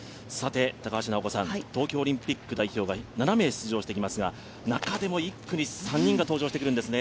高橋尚子さん、東京オリンピック代表が７名出場してきますが、中でも１区に３人が登場してくるんですね。